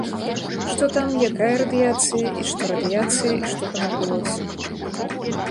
Што там, якая радыяцыя, і што радыяцыя, і што там адбылося.